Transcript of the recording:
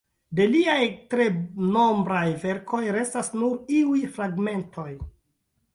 De liaj tre nombraj verkoj restas nur iuj fragmentoj.